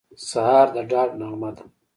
سهار د ډاډ نغمه ده.